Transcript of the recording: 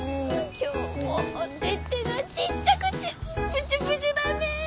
今日もお手々がちっちゃくてプチュプチュだね。